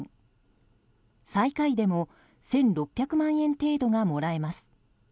最下位でも１６００万円程度がもらえます。